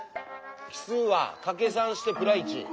奇数はかけ３してプラ１。